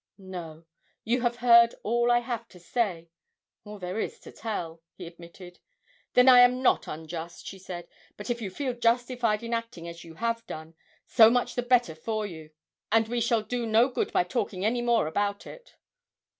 'No. You have heard all I have to say all there is to tell,' he admitted. 'Then I am not unjust!' she said; 'but if you feel justified in acting as you have done, so much the better for you, and we shall do no good by talking any more about it.'